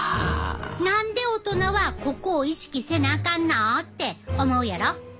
何で大人はここを意識せなあかんのって思うやろ？